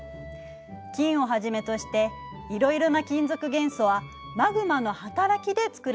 金をはじめとしていろいろな金属元素はマグマの働きで作られているのよ。